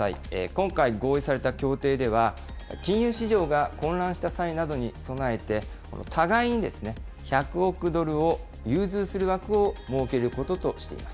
今回合意された協定では、金融市場が混乱した際などに備えて、互いに１００億ドルを融通する枠を設けることとしています。